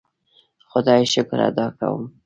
خدای شکر ادا کوم.